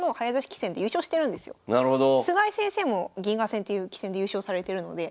菅井先生も銀河戦という棋戦で優勝されてるので。